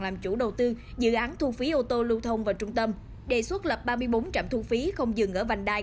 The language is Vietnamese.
làm chủ đầu tư dự án thu phí ô tô lưu thông vào trung tâm đề xuất lập ba mươi bốn trạm thu phí không dừng ở vành đai